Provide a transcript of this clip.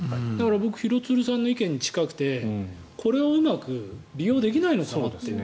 僕、廣津留さんの意見に近くてこれをうまく利用できないのかなという。